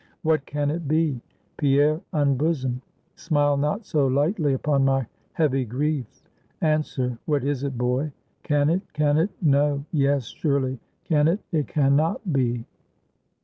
What can it be? Pierre, unbosom. Smile not so lightly upon my heavy grief. Answer; what is it, boy? Can it? can it? no yes surely can it? it can not be!